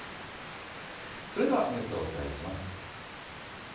それではニュースをお伝えします。